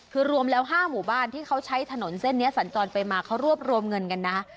คือรวมแล้ว๕หมู่บ้านที่เขาใช้ถนนเส้นนี้สัญจรไปมาเขารวบรวมเงินกันนะ